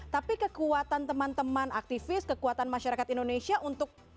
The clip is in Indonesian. tapi kekuatan teman teman aktivis kekuatan masyarakat indonesia untuk